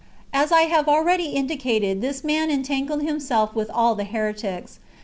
^ As I have already indicated, this man entangled himself with all the heretics.